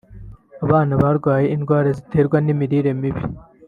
abana barwaye indwara ziterwa n’imirire mibi